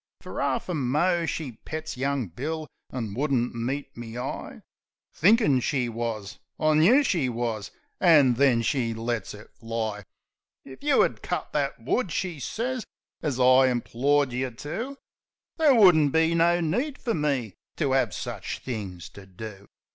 Fer 'arf a mo she pets young Bill, an' would'nt meet me eye. Thinkin' she wus I knew she wus. An' then she lets it fly: "If you 'ad cut that wood," she sez, "an I implored you to, There wouldn't be no need fer me to 'ave sich things to do!